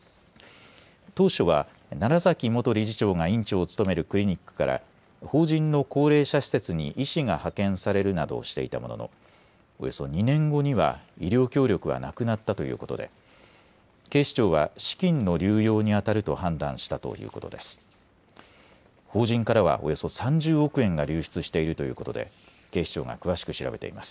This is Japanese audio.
当初は楢崎元理事長が院長を務めるクリニックから法人の高齢者施設に医師が派遣されるなどしていたもののおよそ２年後には医療協力はなくなったということで警視庁は資金の流用にあたると判断したということです。